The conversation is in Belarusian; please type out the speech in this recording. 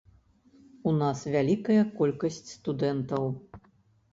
У нас вялікая колькасць студэнтаў.